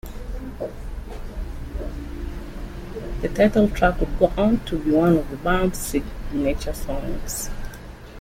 The title track would go on to be one of the band's signature songs.